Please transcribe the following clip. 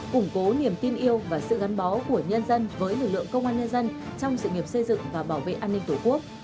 củng cố niềm tin yêu và sự gắn bó của nhân dân với lực lượng công an nhân dân trong sự nghiệp xây dựng và bảo vệ an ninh tổ quốc